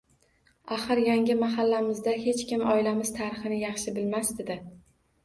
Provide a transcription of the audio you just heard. Axir, yangi mahallamizda hech kim oilamiz tarixini yaxshi bilmasdi-da